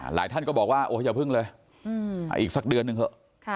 ท่านก็บอกว่าโอ้อย่าพึ่งเลยอีกสักเดือนหนึ่งเถอะ